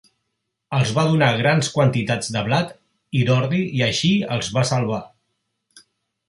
Els va donar grans quantitats de blat i d'ordi i així els va salvar.